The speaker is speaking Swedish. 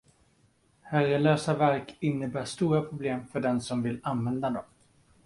Herrelösa verk innebär stora problem för den som vill använda dem.